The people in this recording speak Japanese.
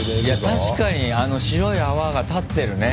確かに白い泡が立ってるね。